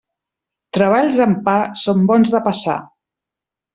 Treballs amb pa són bons de passar.